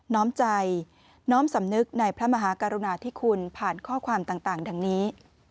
้อมใจน้อมสำนึกในพระมหากรุณาธิคุณผ่านข้อความต่างดังนี้